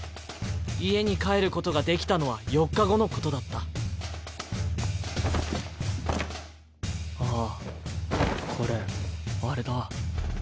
家に帰ることができたのは４日後のことだったカチッ・天道。